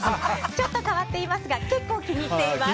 ちょっと変わっていますが結構気に入っています。